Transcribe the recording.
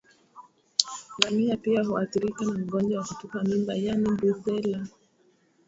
Ngamia pia huathirika na ugonjwa wa kutupa mimba yaani Brusela